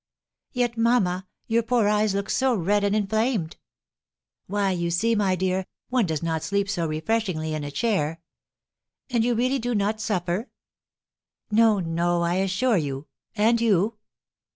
"Yet, mamma, your poor eyes look so red and inflamed!" "Why, you see, my dear, one does not sleep so refreshingly in a chair." "And you really do not suffer?" "No, no, I assure you. And you?"